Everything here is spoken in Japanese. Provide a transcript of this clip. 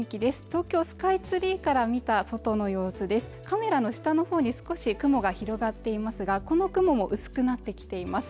東京スカイツリーから見た外の様子でカメラの下の方に少し雲が広がっていますがこの雲も薄くなってきています